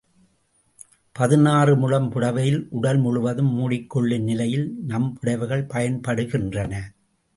பதினாறு முழம் புடவையில் உடல் முழுவதும் மூடிக்கொள்ளும் நிலையில் நம் புடவைகள் பயன்படுகின்றன.